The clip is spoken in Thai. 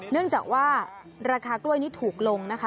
เนื่องจากว่าราคากล้วยนี้ถูกลงนะคะ